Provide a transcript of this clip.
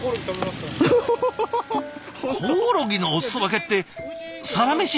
コオロギのおすそ分けって「サラメシ」